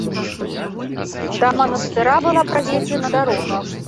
Да манастыра была праведзена дарога.